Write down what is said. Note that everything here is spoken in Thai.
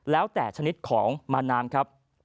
แล้วแต่ชนิดของมะน้ำ